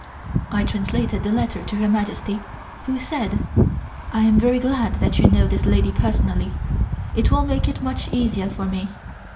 I translated the letter to Her Majesty, who said: "I am very glad that you know this lady personally. It will make it much easier for me.